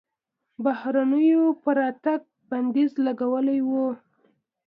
بهرنیانو پر راتګ بندیز لګولی و.